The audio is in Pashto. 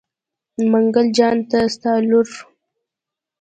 منګل جان ته ستا لور.